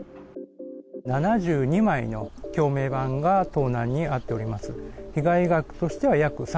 ７２枚の橋名板が盗難に遭っております。